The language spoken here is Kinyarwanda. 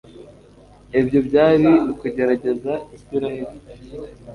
ibyo byari ukugerageza israheli